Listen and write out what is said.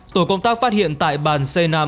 tổ công tác phát hiện tại bàn c năm